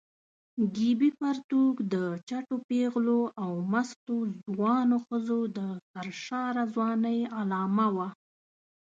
ګیبي پرتوګ د چټو پېغلو او مستو ځوانو ښځو د سرشاره ځوانۍ علامه وه.